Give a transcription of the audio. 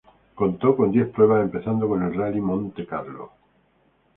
Contó con diez pruebas, empezando en el Rallye Monte Carlo.